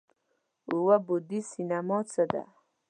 اووه بعدی سینما څه ده؟